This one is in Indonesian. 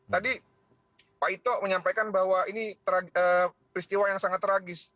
tadi pak ito menyampaikan bahwa ini peristiwa yang sangat tragis